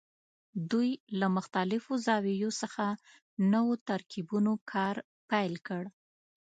دوی له مختلفو زاویو څخه نوو ترکیبونو کار پیل کړ.